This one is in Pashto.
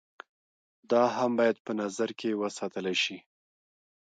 دا هم بايد په نظر کښې وساتلے شي